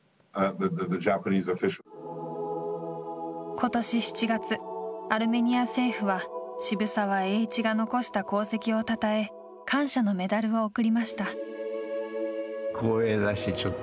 ことし７月、アルメニア政府は渋沢栄一が残した功績をたたえ感謝のメダルを贈りました。